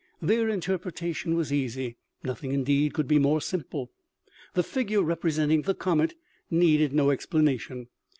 Their interpretation was easy ; nothing indeed could be more simple. The figure representing the comet needed no explanation.